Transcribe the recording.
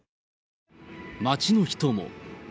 街の人も。